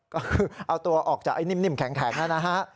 ก็คือเอาตัวออกจากไอ้นิ่มแข็งนะฮะ